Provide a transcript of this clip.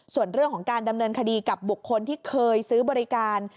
ส่วนเรื่องของการดำเนินคดีกับบุคคลที่เคยซื้อบริการ